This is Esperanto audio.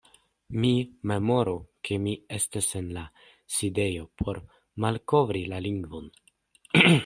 Mi memoru, ke mi estas en la sidejo por malkovri la lingvon.